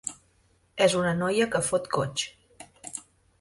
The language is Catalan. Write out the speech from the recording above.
És una noia que fot goig.